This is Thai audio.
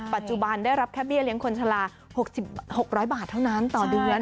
ปัจจุบันได้รับแค่เบี้ยเลี้ยงคนชะลา๖๐๐บาทเท่านั้นต่อเดือน